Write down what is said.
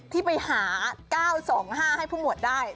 ที่ไปหา๙๒๕ให้ผู้หมวดได้